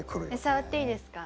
触っていいですか？